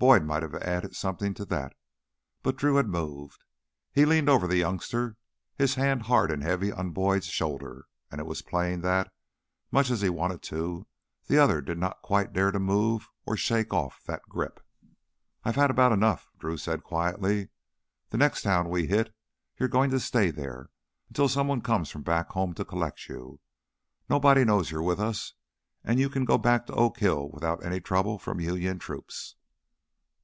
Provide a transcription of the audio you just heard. Boyd might have added something to that, but Drew had moved. He leaned over the youngster, his hand hard and heavy on Boyd's shoulder. And it was plain that, much as he wanted to, the other did not quite dare to move or shake off that grip. "I've had about enough," Drew said quietly. "The next town we hit you're goin' to stay there, until someone comes from back home to collect you. Nobody knows you're with us, and you can go back to Oak Hill without any trouble from Union troops."